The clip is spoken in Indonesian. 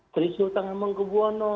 trisul tangan mengkebuwono